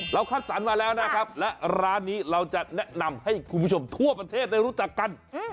คัดสรรมาแล้วนะครับและร้านนี้เราจะแนะนำให้คุณผู้ชมทั่วประเทศได้รู้จักกัน